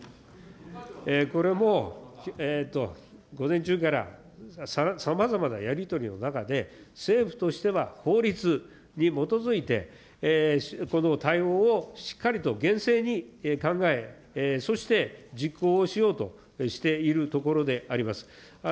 これも、午前中からさまざまなやり取りの中で、政府としては、法律に基づいて、この対応をしっかりと厳正に考え、そして、実行をしようとしているところであります。